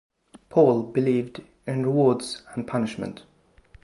Paul believed in rewards and punishment.